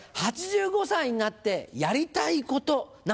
「８５歳になってやりたいこと」何でしょう？